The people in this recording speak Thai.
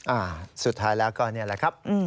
อ่าสุดท้ายแล้วก็นี่แหละครับ